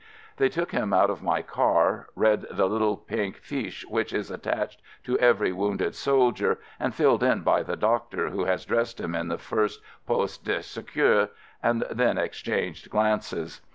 They took him out of my car — read the little pink fiche which is attached to every wounded sol dier and filled in by the doctor, who has dressed him in the first "poste de secour" — and then exchanged glances.